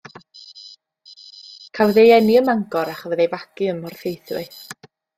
Cafodd ei eni ym Mangor a chafodd ei fagu ym Mhorthaethwy.